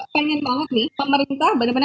pengen banget nih pemerintah benar benar